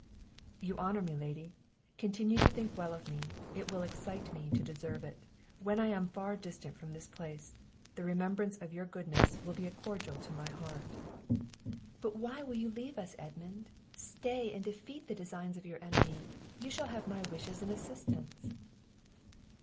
"You honour me, lady! Continue to think well of me, it will excite me to deserve it. When I am far distant from this place, the remembrance of your goodness will be a cordial to my heart." "But why will you leave us, Edmund? Stay and defeat the designs of your enemy; you shall have my wishes and assistance."